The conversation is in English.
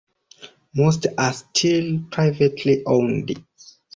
Most are still privately owned.